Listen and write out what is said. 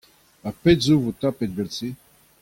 Ha pet 'zo bet tapet evel-se !